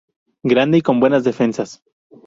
Grande y con buenas defensas.